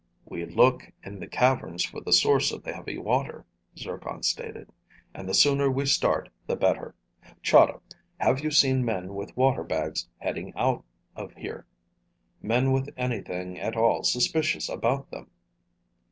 "We look in the caverns for the source of the heavy water," Zircon stated. "And the sooner we start, the better. Chahda, have you seen men with water bags heading out of here? Men with anything at all suspicious about them?"